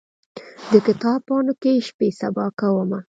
د کتاب پاڼو کې شپې سبا کومه